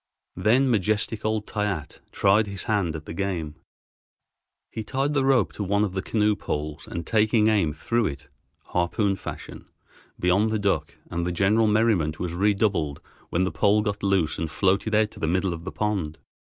Then majestic old Toyatte tried his hand at the game. He tied the rope to one of the canoe poles, and taking aim threw it, harpoon fashion, beyond the duck, and the general merriment was redoubled when the pole got loose and floated out to the middle of the pond.